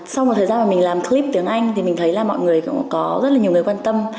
sau một thời gian mà mình làm clip tiếng anh thì mình thấy là mọi người cũng có rất là nhiều người quan tâm